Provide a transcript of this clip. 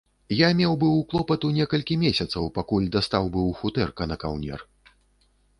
Я меў быў клопату некалькі месяцаў, пакуль дастаў быў футэрка на каўнер.